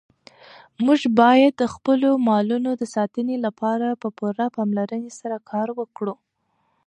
موږ باید د خپلو مالونو د ساتنې لپاره په پوره پاملرنې سره کار وکړو.